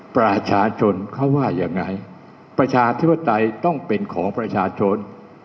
ประชาชนเขาว่ายังไงประชาธิปไตยต้องเป็นของประชาชน